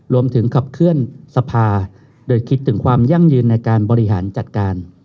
ขับเคลื่อนสภาโดยคิดถึงความยั่งยืนในการบริหารจัดการ